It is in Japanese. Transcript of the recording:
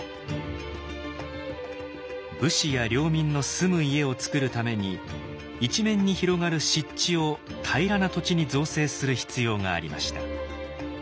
武士や領民の住む家をつくるために一面に広がる湿地を平らな土地に造成する必要がありました。